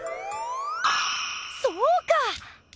そうか！